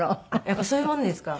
やっぱりそういうものですか？